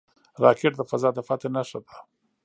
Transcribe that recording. راکټ د فضا د فتح نښه ده